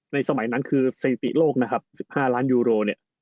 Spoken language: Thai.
ในสมัยนั้นคือเศรษฐีโลก๑๕ล้านยูโร